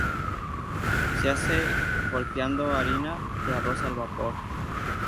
Se hace golpeando harina de arroz al vapor.